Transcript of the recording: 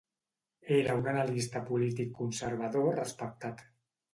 Era un analista polític conservador respectat.